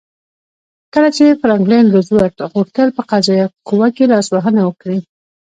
کله چې فرانکلین روزولټ غوښتل په قضایه قوه کې لاسوهنه وکړي.